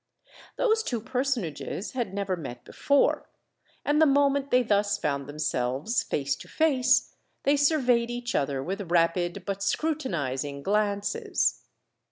Those two personages had never met before; and the moment they thus found themselves face to face, they surveyed each other with rapid but scrutinising glances.